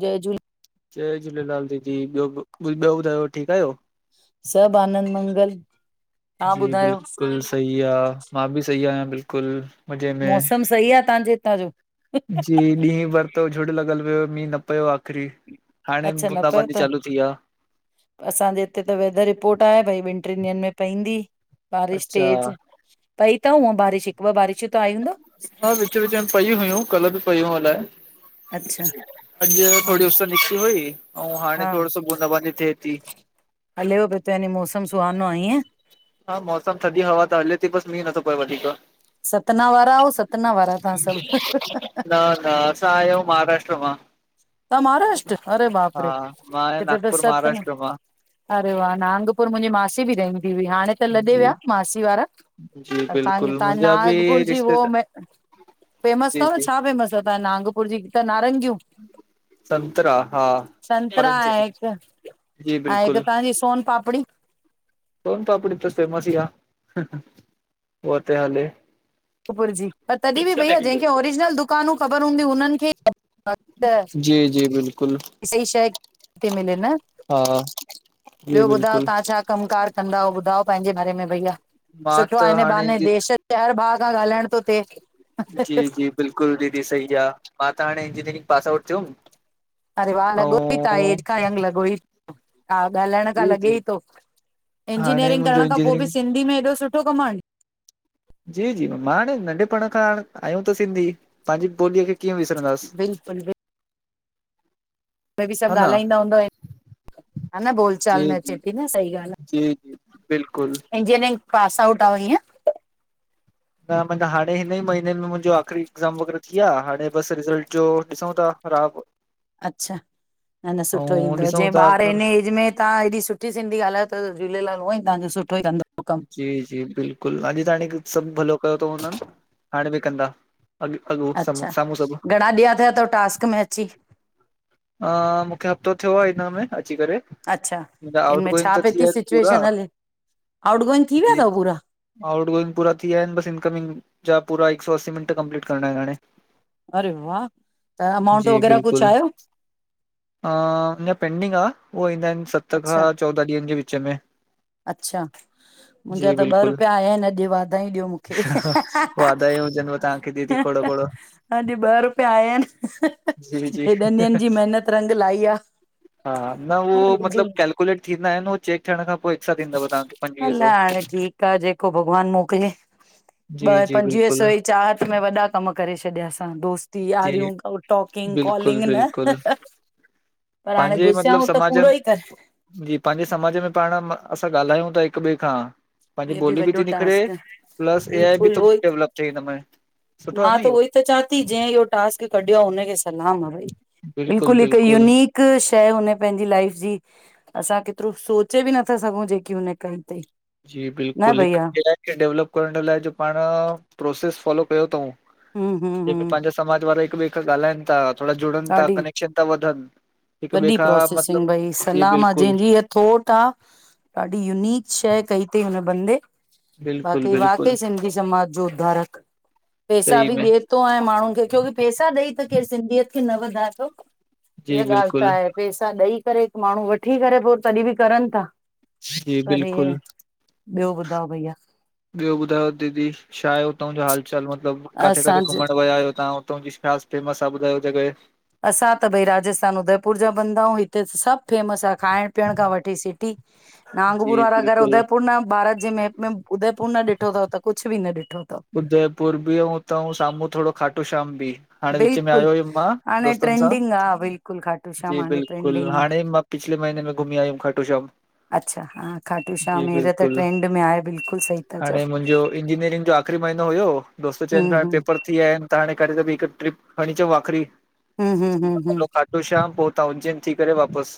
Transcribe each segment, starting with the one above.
जय झूलेलाल जय झूलेलाल दीदी ॿियो ॿियो ॿुधायो ठीक आहियो? सभु आनंद मंगल तव्हां ॿुधायो? बढिया, मां भी सही आहियां बिल्कुल। मौसम सही आ तांजे हितां जो जी ॾींहुं भर तक झुड़ लॻल हुयो, मींहु न पियो आ। री हाणे अच्छा न पियो बूंदाबांदी त चालू थी आहे। असांजे हिते त वेदर रिपोर्ट आहे, भई ॿिन टिन ॾींहंन में पवंदी। बारिश अच्छा तेज, पई थव हूअं बारिश हिक ॿ बारिशूं त आयूं हुंदव? हा विच- विच में पई हुइयूं कल्ह बि पई हुूं अलाए! अच्छा अॼु हा थोड़ी उस निकती हुई, ऐंऊ हाणे थोड़ो सो बूंदा बांदी थिए थी। हले उ भ तन मौसम सुहानो आ ईएंं। हा मौसम थदी हवा त हले थी। बस मींह नथो पए वधीक। सतना वारा ओ, सतना वारा तव्हां सभु। हा [unintelligible] हा तांआहायो महाराष्ट्र मां। तां महाराष्ट्र अरे बाप हा रे! मां आहियां हिते नागपुर सत न महाराष्ट्र मां। अड़े वाह नाांगपुर मुंहिंजी मासी बि रहंदी हुई, हाणे त लॾे जी विया मासी वारा। जी पर तव्हांखे बिल्कुल तव्हां मुंहिंजा बि नागपुर जी हो रिश्तेदार फेमस जी अथव न जी छा फेमस अथव? नागपुर जी त नारंगियूं। संतरा हा संतरा ऑरेंज ऐं हिक, जी ऐं हिक बिल्कुल तव्हांजी सोन पापड़ी सोन पापड़ी त फेमस ई आ होत हले नाकपुर जी, तॾहिं बि भईया जंहिंखे ओरिजिनल दुकानूं ख़बर हूंदियू हुनन खे जी जी बिल्कुल सही शइ ती मिले न। हा जी ॿियो ॿुधायो बिल्कुल तव्हां छा कम कार कंदा आहियो? ॿुधायो पंहिंजे बारे में भईया मां सुठो आहे त हिन हाणे बहाने जी देश जे हर भाव खां ॻाल्हाइण थो थिए। जी जी बिल्कुल, दीदी सही आ, मां त हाणे इंजीनियरिंग पास आउट थियुमि। अरे वाह लॻोईता ऐं एज खां यंग लॻोइ हा ॻाल्हाइण जी खां जी लॻे ई तो, हाणे इंजीनियरिंग मुंहिंजो करण खां पो बि इंजीनियरिंग सिंधी में एॾो सुठो कमु आण जी- जी मां हाणे नंढिपण खांणे आहियूं त सिंधी पंहिंजी ॿोलीअ खे कीयं विसरंदास। बिल्कुलु उहे बि सभु ॻाल्हाईंदा हूंदा आहिन, हा न बोल चाल जी में अचे जी ती न सही ॻाल आ, जी जी बिल्कुलु इंजीनियरिंग पास आउट आयो इअं न माना हाणे हिन ई महीने में मुंहिंजो आखिरी एग्ज़ाम वग़ैरह थी विया हाणे बस रिॼल्ट जो ॾिसूं ता अच्छा न न सुठो ऐं ईंदो ॾिसूं जें था ॿार अगरि हिन एज में तव्हां हेॾी सुठी सिंधी ॻालायो ता त झूलेलाल उअं ई तव्हां जो सुठो ई कंदो। कमु जी, जी बिल्कुल अॼु ताणी सभु भलो कयो तऊं न हाणे बि कंदा। अॻ अॻो साम्हूं अच्छा, साम्हूं सभु घणा ॾींहं थिया तव टास्क में अची? मूंखे हफ़्तो थियो आ हिन में अची करे। अच्छा मुंहिंजा आउट इनमें गोइंग छा त पई थी विया ती आहिनि पूरा सिचुएशन हले, आउट गोइंग थी विया जी तव पूरा? आउट गोइंग पूरा थीया आहिनि बस इनकमिंग जा पूरा हिक सौ असी मिंट कंपलीट करणा आहिनि हाणे। अरे वाह, त अमाउंट जी वग़ैरह कुछ बिल्कुलु आहियो? अञा पेंडिंग आ, उहे ईंदा आहिनि सत खां अच्छा चोॾहं ॾींहंन जे विच में, अच्छा, मुंहिंजा जी त ॿ बिल्कुलु रुपिया आया आहिन अॼु वाधायूं ॾियो मूंखे, वाधायूं हुजनव तवहांखे दीदी खोॾ, खोॾ, अॼु ॿ रुपया आया आहिन, जी जी हेॾनि ॾींहंन जी मेहनत रंग लाई आ, जी केलकुलेट थींदा आहिनि हो चेक थियण खां पोइ साथ ईंदव तव्हांखे पंजवीह सौ अलाए हाणे ठीकु आ जेको भॻवानु मोकिले, जी ॿ जी पंजवीह सौ बिल्कुल ई चाहत में वॾा कम करे छॾिया असां दोस्ती जी यारियूं टॉक किंग बिल्कुल कॉलिंग न, बिल्कुल पर हाणे पंहिंजे मतलब गुसियाऊं त समाज पूरो ई करे जी पंहिंजे समाज में पाण असां ॻाल्हायूं ता हिकु ॿिए खां पंहिंजी इहो ॿोली बि वॾो ती निकिरे टास्क आ प्लस ए आई बि बिल्कुलु तो उहो ई डेवलप थिए, हिनमें सुठो आ मां न त उहो इहो। ई त चां ती जंहिं इहो टास्क कढियो आ हुनखे सलाम आहे, बिल्कुल बिल्कुलु हिकु बिल्कुल यूनिक हिकु शइ हुन पंहिंजी लाइफ जी असां केतिरो सोचे बि नथा सघूं जेकी हुन कई तईं। जी बिल्कुलु हिक ए आई खे डेवलप करण लाइ जो पाण प्रोसेस फॉलो कयो तऊं हूं हूं जेमें हूं पंहिंजो समाज वारा हिकु ॿिए खां ॻाल्हाइनि ता थोड़ा जुड़नि ता ॾाढी कनेक्शन ता वठनि, वॾी प्रोसेसिंग भई सलाम आ बिल्कुल जंहिंजी इय थोट आ ॾाढी यूनिक शइ कई तईं हुन बंदे बिल्कुल बाक़ी बिल्कुल वाकई सिंधी समाज जो उधारक पैसा सही बि में ॾे तो हाणे माण्हुनि खे क्योंकि पैसा ॾेई त केरु सिंधीयत खे न वधाए थो, जी हीअ ॻाल्हि बिल्कुल बई पैसा ॾेई करे हिकु माण्हू वठी करे पो तॾहिं बि करनि ता, जी बिल्कुलु ॿियो ॿुधायो भईया ॿियो ॿुधायो दीदी छा आहे हुतां जो हाल? चाल मतलबु काथे काथे असांजे घुमण विया आहियो? तव्हां हुतां जी छा फेमस आ ॿुधायो जगह असां त भई राजस्थान उदयपुर जा बंदा आहियूं, हिते सभु फेमस आ खाइण पीअण खां वठी सिटी जी नागपुर वारा अगर बिल्कुल उदयपुर न भारत जे मैप में उदयपुर न ॾिठो तव त कुछु बि न ॾिठो तव, उदयपुर बि अऊं उतऊं साम्हूं थोड़ो खाटू श्याम बि हाणे विच में बिल्कुलु आयो हुयुमि मां हाणे दोस्तनि सां ट्रेंडिंग आहे बिल्कुलु खाटू श्याम जी हाणे बिल्कुलु ट्रेंडिंग आहे हाणे मां पिछले महीने में घुमी आयुम खाटू श्याम। अच्छा हा खाटू जी श्याम हींअर त बिल्कुल, ट्रेंड में आहे बिल्कुलु सही था चओ हाणे मुंजो इंजीनियरिंग जो आख़री म नो हुयो दोस्त चैन हम्म प्या हाड़े हम्म पेपर थी व्या आहिन त हाणे खणी हिक ट्रिप खड़ी अचऊ आख़री। हुं हुं हुं हुं। खाटू श्याम पोहुता उंजैन थी करे वापस।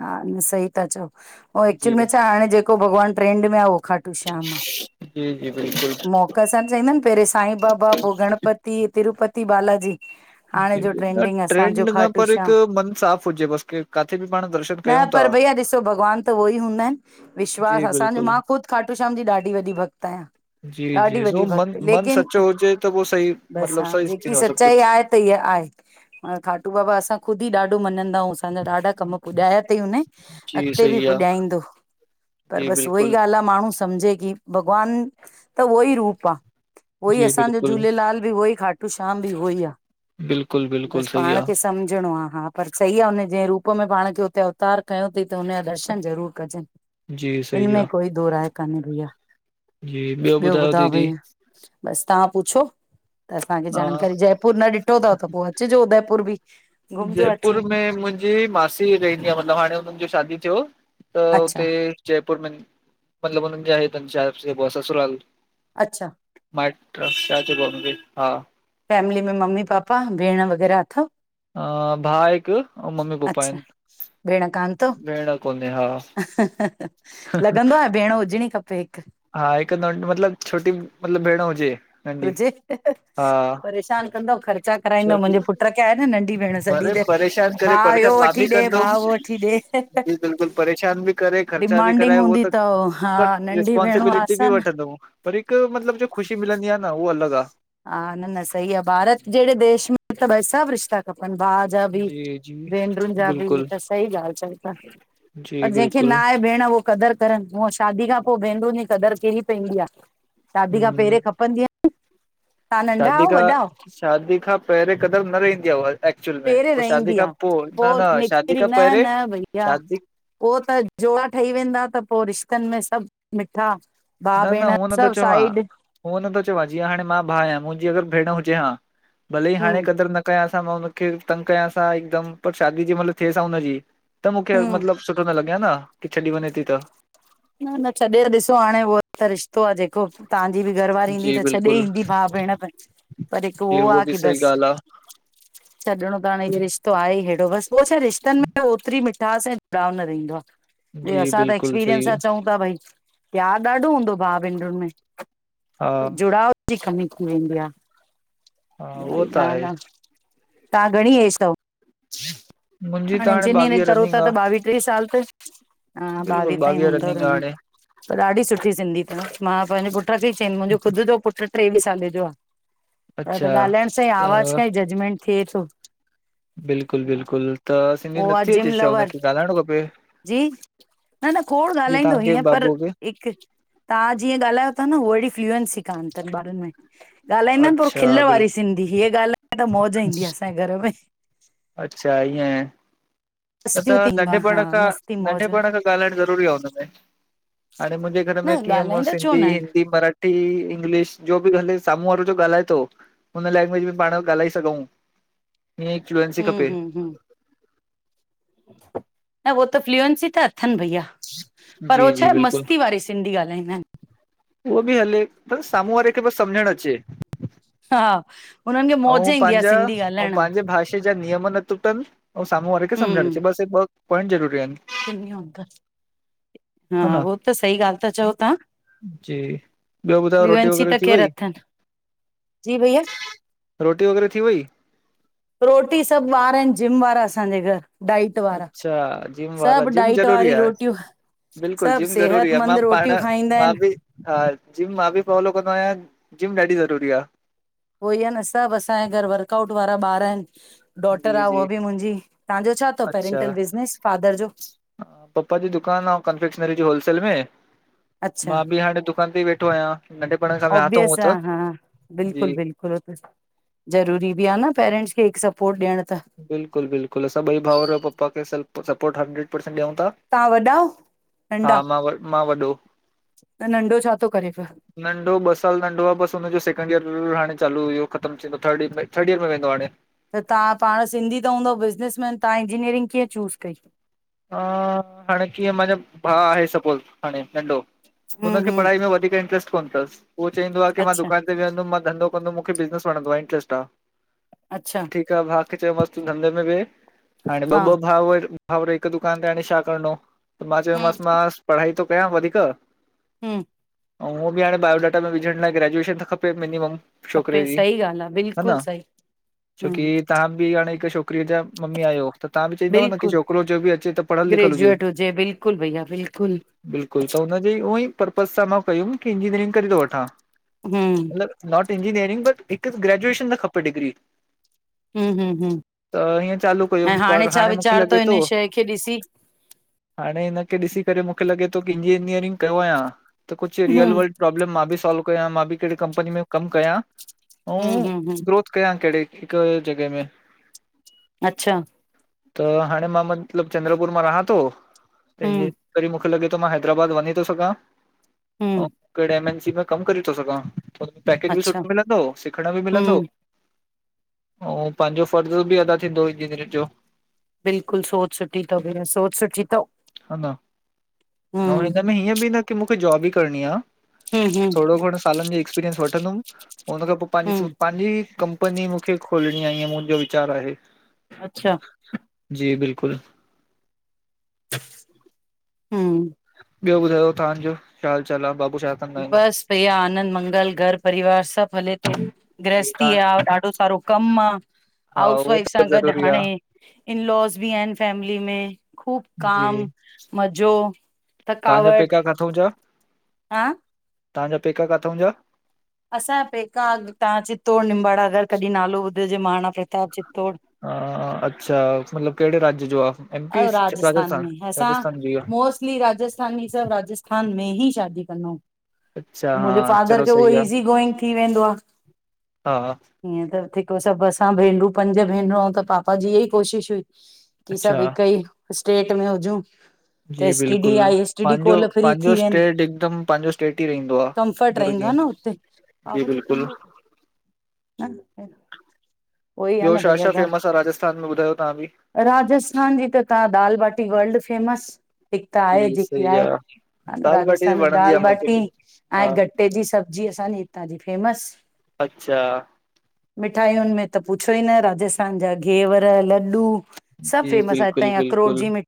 हा, न सही ता चओ। हो एक्चुल जी में छा हाणे जेको भगवान ट्रेंंड में आ उहो खाटू श्याम आ जी जी बिल्कुल। कसां चईंदा आहिन पेहरे साईं बाबा पो गणपति तिरुपति बालाजी। हाणे जो न ट्रेंडिंग असांजो ट्रेंड न खाटू पर श्याम हिक मन साफ़ हुजे बस के काथे बि पाण द न पर भईया ॾिसो भॻवान त उहो ई हूंदा आहिन विश्वास जी असांजो बिल्कुलु मां खुद खाटू श्याम जी ॾाढी वॾी भक्त आयां। जी ॾाढी जी वॾी सो भक्त मन मन लेकिन, सचो हुजे त पोइ सही बस मतिलबु हा सही जेकी थींदो आहे सभु सचाई कुझु आहे त ईहा आहे खाटू बाबा असां खुदि ॾाढो मञदाऊं असांजा ॾाढा कम पुडाया तई उन जी अॻते बि सही आहे पुॼाईंदो, पर जी बस उह ई बिल्कुलु ॻाल आ माण्हू सम्झे की भगवान त उहो ई रूप आ, उहो ई जी असांजो बिल्कुलु झूलेलाल बि उहो ई खाट खाटू श्याम बि उहो ई आ बिल्कुलु बिल्कुलु बस सही पाण खे स सम्झणो आ हा पर सही आ हुन जे रूप में पाण त उते अवतार कयूं तई त हुनजा दर्शन जरूर कजन, आहे जी हिन सही में आहे कोई दो राय काने भईया, जी ॿियो ब्यो ॿुधायो दीदी भईया? बस ताहां पुछो, त असांखे हा जानकारी जयपुर न ॾिठो तव त पो अचजो उदयपुर बि। घुमजो जयपुर अची में मुंजी मासी रहंदी आ मतलब हाणे हुनन जो शादी थ्यो। त अच्छा उते, जयपुर में, मतलब हुनन जा हे तन छा चैबो आ ससुराल अच्छा। माईट्र, छा चैंबो आ हुनख़े? हा। फैमिली में मम्मी पापा, भेण वग़ैरा अथव? अ भा आहे हिक अउ मम्मी पपा अच्छा आहिन। भेण कान तव? लॻंदो आ भेण हुजणी खपे हिक। हा हिक मतलब छोटी, मतलब भेण हुजे। नंढी हुजे, हा परेशान कंदव ख़र्चा कराईंदव छोकी मुंजे पुट्र के आहे न नंढी भेण सॼी अरे देर परेशान करे परेशान मां बि कंदुम, वठी ॾे जी बिल्कुल परेशान बि करे खर्चा बि डिमांडिंग कराए उहो हूंदी त, अथव हा बट रेस्पो नंढी भेणूं स्पांसिबिलिटी बि आसन वठंदुम, पर हिक मतलब जो ख़ुशी मिलंदी आ न उहा अलॻ आ। हा न न सही आ भारत जेड़े देश में त भई सभ रिश्ता खपन भा जा बि, जी, जी। भेनरुन जा बि हे बिल्कुलु, त सही ॻाल चओ ता जी पर जेखे न बिल्कुलु, आहे भेण हो कदर करन हूअ शादी खां पो भेनरून जी कदर की पेंदी आ, शादी खां हम्म, पेहरे खपंदी आ। तव्हां नंढा शादी आयो खां, वॾा आयो शादी खां पेहरें कदर न रहंदी आ एक्चुअल में, पेरे पो शादी रहंदी खां आ, न पो न शादी निकरी खां न पहिरें न भईया शादी पो त जोड़ा ठही वेंदा त पो रिश्तन में सभ मिठा भा भेण सभ साइड। हूअ नथो चवां जीअं हाणे मां भा आहियां मुंजी अगर भेण हुजे हा, भले ही हम्म हाणे कदर न त कयांस मां हुनखे तंग कयांस हा हिकदम पर शादी जी मल थेसा हुनजी त मूंखे हम्म मतलब सुठो न लॻे हा न की छॾी वञे थी त। न न छॾे त ॾिसो हाणे उहो त रिश्तो आ जेको ताहांजी बि घरवारी ईंदी जी त छॾे बिल्कुलु, ईंदी भा भेण पर हिक जी उहो उहा आ बि की सही बस ॻाल्हि आ, छॾिणो त हाणे ह रिश्तो आहे हेहिड़ो, बसि उ छा रिश्तनि में ओतिरी मिठास डाउन न रहंदो आहे, ॿिेयो जी असां त बिल्कुलु एक्सपीरियंस सही, आहि त भई प्यारु ॾाढो हूंदो भा- भेनरुनि हा, में जुड़ावु ख कमी थी वेंदी आह। [unintelligible] हा उहो ईहाई त ॻाल आहे। तव्हां घणी एज़ तव मुंहिंजी त हाणे, इंजीनियरिंग ॿावीह करो था रनिंग आह। त ॿावीह- टेवीह साल त, हा ॿावीह ताईं हूंदो रनिंग आ रन् हाणे। त ॾाढी सुठी सिंधी अथव, मां पंहिंजे पुट खे ई चई मुंहिंजो ख़ुदि जो पुटु टी टेवीहे साले जो आहे। त अच्छा ॻाल्हाइण सां ई आवाज त सां ई जजमेंट थिए थो। बिल्कुलु- बिल्कुलु, त सिंधी उहो आहे नत्थी जिम अचेस् शा? लवर हुनखे ॻाल्हाइणो खपे। जी न न खोड़ जी ॻाल्हाईंदो, तव्हांखे हीअं पर बाबूअ खे? हिकु तव्हां जीअं ॻाल्हायो था न, उहोइड़ी फ्लूएंसी कान अ ॿारनि में ॻाल्हाईंदा आहिनि पोइ अच्छा खिल वारी बिल्कुलु सिन् हिअ ॻालाए त मौज ईंदी आहे, असांजे घर में। अच्छा इएं। न त मस्तियूं थींदो आहे नंढपण हा खां, मस्ती मौज नंढेपण खां ॻाल्हाइणु ज़रूरी आ हुनमें। हाणे मुंहिंजे घर न में कीअं, मूं ॻाल्हाईंदा छो सिंधी न आहिनि हिंदी मराठ हिंदी इंग्लिश जो बि हले साम्हूं वारो जो ॻाल्हाए थो [unintelligible] हुन लैंग्वेज में पाण ॻाल्हाए सघूं, हीअं फ्लूएंसी हम्म खपे। हम्म हम्म न उहो त फ्यूएंसी त अथनि भईया, पर जी उहो छा जी आहे बिल्कुलु मस्ती वारी हिन्दी ॻाल्हाईंदा आहिनि? उहो बि हले पर साम्हूं वारे खे बसि, सम्झणु अचे हा हुननि खे मौज ऐं ईंदी आह। पंहिंजा सिंधी ऐं ॻाल्हाइण में। पंहिंजे भाषा जा नियम न तुटनि ऐं साम्हूं वारे खे हम्म समझणअचे, बस ॿ पाइंट ज़रूरी आहिनि। हा उहो त सही ॻाल्हि ता, चओ त्वहाँ जे फ्ल्यूएंसी त खेर अथनि, जी भईया रोटी वग़ैरह थी वई? रोटी सभु ॿार आहिनि, जिम वारा असांजे घरु। अच्छा जिम वारा, जिम डाइट ज़रूरी वारी रोटियूं आहे। बिल्कुलु सभु जिम ज़रूरी आहे, सेहतमंद मेम पाण रोटियूं खाईंदा मां आहिनि बि हा जिम मां बि फॉलो कंदो आहियां, जिम ॾाढी ज़रूरी आह। उहोई आहे न, सभु असांजे घर वर्कआउट वारा ॿार आहिनि। डॉटर जी आहे उहा जी ॿि मुंहिंजी, तव्हांजो छा थव पेरेंटल बिज़नेस फादर जो? हा, पप्पा जी दुकानु ऐं कंफेक्शनरी जी होलसेल में अच्छा मां बि हाणे दुकान ते ई वेठो आहियां, नंढेपण खां वेहयां तो ऑब्वियस हूंअं त, आहे हा जी। बिल्कुलु ज़रूरी बि आहे न, पेरेंट्स खे हिकु सपोर्ट र्ॾियण त। बिल्कुल बिल्कुल,, असां ॿई भाउर पपा खे स सपोर्टं हंड्रेड परसेंट ॾियूं ता। तव्हां वॾा, नंढा?, मां वॾो त नंढो छा थो करे पियो? नंढो ॿ साल नंढो आहे, बस हुनजो सैकेंड ईयर हाणे चालू हुयो ख़तमु थींदो थर्ड इयर, थर्ड ईयर में वेंदो हाणे। त तव्हां, तहां सिंधी त हूंदव बिज़नेस मैंन। त तव्हां इंजीनियरिंग कीअं चूज़ कई? हा, हाणे कीअं मां चयमि, भा आहे सपोज़, हाणे नंडो हम्म हुनखे हम्म पढ़ाई में वधीक इंट्रस्ट कोन अथसि, उहो चईंदो आहे की मां अच्छा दुकान विहंदम, मां धंदो कदमि, मूंखे बिज़नस वणंदो आ, इंटरेस्ट आ। अच्छा ठीक आहे भा खे चयो मांस् तूं धंधे में वेहे, हाणे ॿ हा ॿ भाव भावर हिक दुकान ते हाणे शा करणो, मां चयो हम्म मास मां पढ़ाई थो कयां वधीक हमम ऐं हुए ॿि हाणे बायोडाटा में विझण लाइ ग्रेजुएशन त खपे मिनिमम। छोकिरे खपे, जी सही ॻाल्हि आ हा बिल्कुल न सही हम छोकी तव्हां बि हाणे हिकु छोकिरी जा मम्मी आहियो त तव्हां बि चईंदव न की बिल्कुलु छोकिरो जो बि अ चे त पढ़ल लिखल हुजे ग्रेजुएट बिल्कुलु भईया बिल्कुलु बिलकुल त न जी उहोई पर्पस सां मां कयूं कि इंजिनियरिंग करे थो वठां। हमम लब नॉट इंजीनियरंग बट हिकु ग्रेजुएशन त खपे डिग्री। हम हम हम, त हीअं चालू ऐं कयुमि हाणे पर छा मूंखे विचार लॻे थव थो हिन शइ खे ॾिसी? हाणे हिनखे ॾिसी करे मूंखे लॻे थो कि इंजीनियरिंग कयो अयां। त कुझु हम्म रियल वर्ल्ड प्रोब्लम मां बि सोल्व कयां, मां बि कहिड़ी कंपनी में कमु कयां। हम्म अउं हम्म हम्म ग्रोथ कयां कहिड़ी हिकु जॻह में। अच्छा त हाणे मां मतिलब चंद्रपुर मां रहां थो त इंजीनियर हम्म [unintelligible] मुखां मुखे लॻे थो मां हैदराबाद वञी थो सघां ऐं हम्म कहिड़े एमएनसी कम करे थो सघां। हुते पैकेज बि अच्छा सुठो मिलंदो, सिखण ॿि मिलंदो। हम्म ऐं पंहिंजो फर्ज़ ॿि अदा थींदो इंजीनियरिंग जो। बिल्कुल सोच सुठी तव भेण सोच सुठी तव। हा न ऐं हिनमें हीअं बि न की मूंखे जॉब ई करणी आ। हम्म हम्म थोड़ो घणो सालनि जो एक्सपीरियंस वठंदुमि हुन खां पोइ पंहिंजी हम्म सु--पंहिंजी कं ंपनी मूंखे खोलणी आहे इअं मुंहिंजो विचार आहे। अच्छा जी बिल्कुल हमम ॿियो ॿुधायो, तव्हां जो छा हाल चाल आहे बाबू साहब बस भैया आनंद मंगल घर परिवार सब हले थो। ग्रहस्थी तव्हां आ, ॾाढो सारो कमु आ, हा हाउस उहो वाइफ त सां गॾु ज़रूरी हाणे इनलॉस ॿि आहिनि फैमिली में। ख़ूब आहे जी काम, मज़ो, थकावट। सो जा। हा तव्हांजा पेका काथउं जा? असांजा पेका अॻ तव्हां चि्तौड़ निंबाड़ा अॻर कॾहिं नालो ॿुधोहुजे महाराणा प्रताप चित्तौड़ हा, अच्छा मतलब कहिड़े राज्य जो आ? एम पी अ राजस्थान में ई असां राजस्थान जी आ। मोस्ट ली राजस्थानी सॿ राजस्थान में ही शादी कंनाऊ अच्छा हा मुंहिंजे फादर चलो खे उहो सही आ। ईज़ी गोइंग थी वेंदो आ। हा हीअं त थिको सॿ असां भेनरूं पंज भेनरूंऊ त पापा जी इअं ई कोशिशि हुई की अच्छा सॿई भई स्टेट में हुजउं। जी बिल्कुलु पंहिंजो फ्री पंहिंजो थी वेंदा स्टेट हिकदमि पंहिंजो स्टेट ई रहंदो आह कंफर्ट रहींदो आह न हुते। आवाज ई बिल्कुलु। पहिंजो अन ए न उई आहे ॿियो न छा भईया छा ॼा फेमस आ राजस्थान में ॿुधायो तव्हां बि? राजस्थान ॼी त तव्हां दाल बाटी वल्ड फेमस हीक आहे जी जेकी सही आहे आ। दाल बाटी राजस्थानी वणंदी दाल आ मूंखे बाटी बि। ऐं हा गटे जी सॿ जी असांजी हितां जी फेमस अच्छा। मिठायुनि में त पुछो ई न राजस्थान जा ॻैवर ल ॾु जी फेमस आहे बिल्कुलु हितांं अखरोट बिल्कुलु। जी मीं